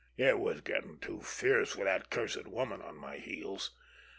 It was getting too fierce with that cursed woman on my heels.